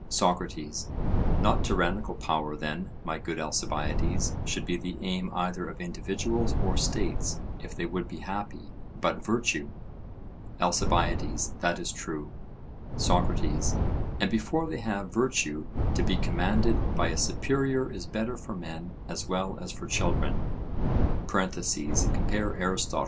SOCRATES: Not tyrannical power, then, my good Alcibiades, should be the aim either of individuals or states, if they would be happy, but virtue. ALCIBIADES: That is true. SOCRATES: And before they have virtue, to be commanded by a superior is better for men as well as for children? (Compare Arist.